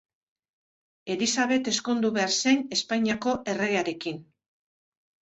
Elisabet ezkondu behar zen Espainiako erregearekin.